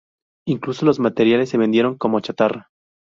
Incluso los materiales se vendieron como chatarra.